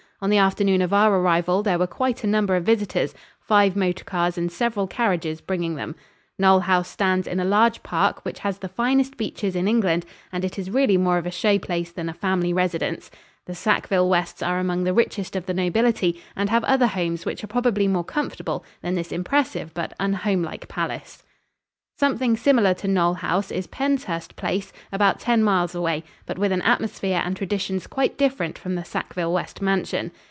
On the afternoon of our arrival there were quite a number of visitors, five motor cars and several carriages bringing them. Knole House stands in a large park, which has the finest beeches in England, and it is really more of a show place than a family residence. The Sackville Wests are among the richest of the nobility and have other homes which are probably more comfortable than this impressive but unhomelike palace. [Illustration: PENSHURST PLACE, HOME OF THE SIDNEYS.] Something similar to Knole House is Penshurst Place, about ten miles away, but with an atmosphere and traditions quite different from the Sackville West mansion.